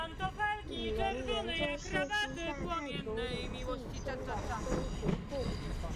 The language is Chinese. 李仁颜就是西夏太祖李继迁的曾祖父。